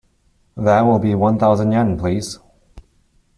That will be one thousand yen please.